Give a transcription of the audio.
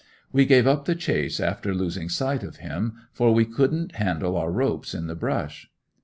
We gave up the chase after losing sight of him, for we couldn't handle our ropes in the "brush."